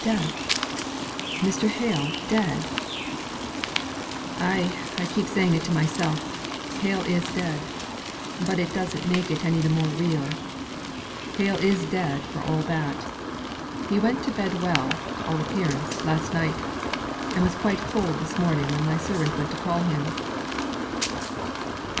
"Death! Mr. Hale dead!" "Ay; I keep saying it to myself, 'Hale is dead!' but it doesn't make it any the more real. Hale is dead for all that. He went to bed well, to all appearance, last night, and was quite cold this morning when my servant went to call him."